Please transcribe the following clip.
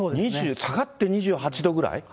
下がって２８度ぐらい？